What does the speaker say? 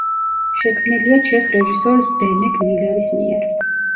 შექმნილია ჩეხ რეჟისორ ზდენეკ მილერის მიერ.